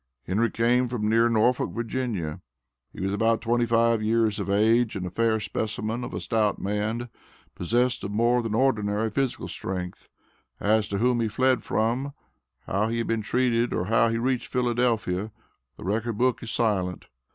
Henry came from near Norfolk, Va. He was about twenty five years of age, and a fair specimen of a stout man, possessed of more than ordinary physical strength. As to whom he fled from, how he had been treated, or how he reached Philadelphia, the record book is silent.